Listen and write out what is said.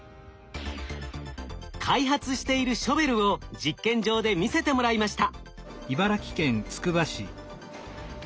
開発しているショベルを実験場で見せてもらいました。